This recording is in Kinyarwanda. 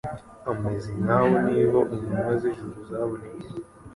Abameze nk'abo nibo intumwa z'ijuru zabonekeye